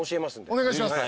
お願いします。